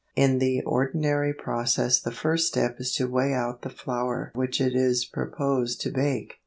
In the ordinary process the first step is to weigh out the flour which it is proposed to bake.